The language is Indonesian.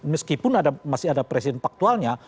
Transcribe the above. meskipun masih ada presiden faktualnya